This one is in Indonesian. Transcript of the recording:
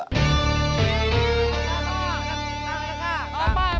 ke depan ke depan